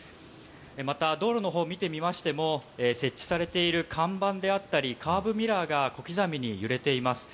まだ道路の方を見てみましても、設置されている看板であったり、カーブミラーが小刻みに揺れています。